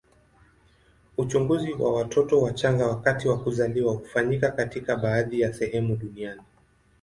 Uchunguzi wa watoto wachanga wakati wa kuzaliwa hufanyika katika baadhi ya sehemu duniani.